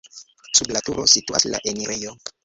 Sub la turo situas la enirejo.